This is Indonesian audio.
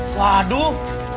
tolongin pak rete